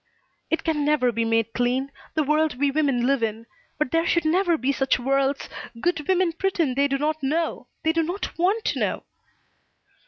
"It can never be made clean, the world we women live in. But there should never be such worlds. Good women pretend they do not know. They do not want to know!"